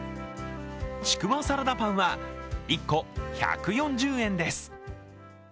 ちくわサラダパンは１個１４０円です。